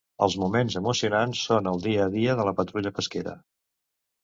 Els moments emocionants són el dia a dia de la patrulla pesquera.